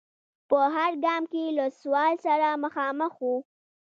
په هر ګام کې له سوال سره مخامخ و.